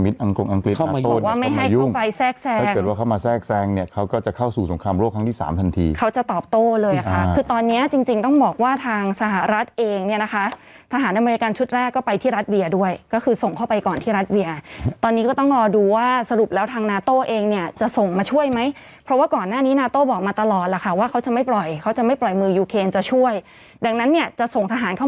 ตอนนี้จริงจริงต้องบอกว่าทางสหรัฐเองเนี่ยนะคะทหารอเมริกันชุดแรกก็ไปที่รัสเวียด้วยก็คือส่งเข้าไปก่อนที่รัสเวียตอนนี้ก็ต้องรอดูว่าสรุปแล้วทางนาโต้เองเนี่ยจะส่งมาช่วยไหมเพราะว่าก่อนหน้านี้นาโต้บอกมาตลอดล่ะค่ะว่าเขาจะไม่ปล่อยเขาจะไม่ปล่อยมือยูเครนจะช่วยดังนั้นเนี่ยจะส่งทหารเข้า